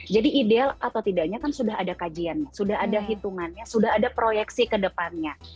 jadi ideal atau tidaknya kan sudah ada kajiannya sudah ada hitungannya sudah ada proyeksi ke depannya